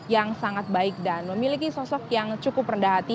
yang sangat baik dan memiliki sosok yang cukup rendah hati